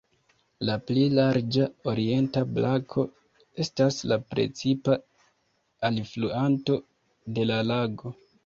La pli larĝa orienta brako estas la precipa alfluanto de la lago.